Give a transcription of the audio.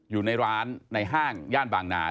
อยู่ในร้านในห้างย่านบางนา